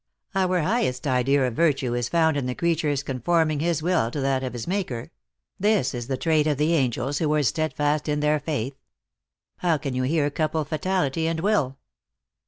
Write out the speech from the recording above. Our highest idea of virtue is found in the crea ture s conforming his will to that of his Maker ; this is the trait of the angels who were steadfast in their faith. How can you here couple fatality and will?